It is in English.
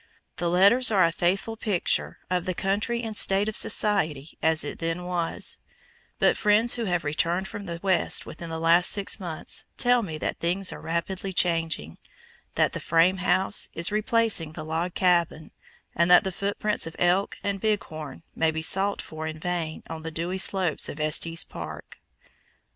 The letters are a faithful picture of the country and state of society as it then was; but friends who have returned from the West within the last six months tell me that things are rapidly changing, that the frame house is replacing the log cabin, and that the footprints of elk and bighorn may be sought for in vain on the dewy slopes of Estes Park.